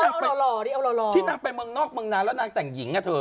อันนี้ไม่ใช่ที่นางไปเมืองนอกเมืองนานแล้วนางแต่งหญิงอะเธอ